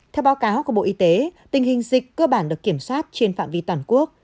theo báo cáo của bộ y tế tình hình dịch cơ bản được kiểm soát trên phạm vi toàn quốc